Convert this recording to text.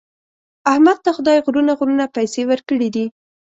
احمد ته خدای غرونه غرونه پیسې ورکړي دي.